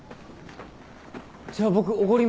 じゃあ僕おごります。